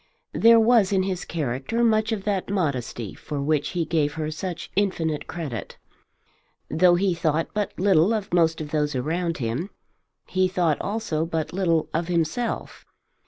There was in his character much of that modesty for which he gave her such infinite credit. Though he thought but little of most of those around him, he thought also but little of himself.